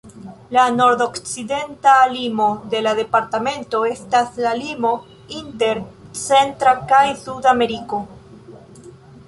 La nordokcidenta limo de la departamento estas la limo inter Centra kaj Suda Ameriko.